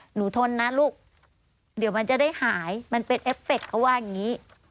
ทนนะลูกเดี๋ยวมันจะได้หายมันเป็นเอฟเฟคเขาว่าอย่างนี้